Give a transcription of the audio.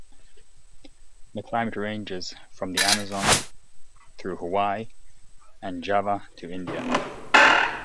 The climate ranges from the Amazon through Hawaii and Java to India.